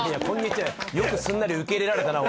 よくすんなり受け入れられたな。